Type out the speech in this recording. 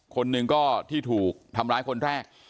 คนหนึ่งก็ที่ถูกทำร้ายคนแรก